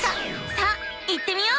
さあ行ってみよう！